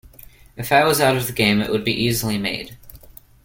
If I was out of the game it would be easily made.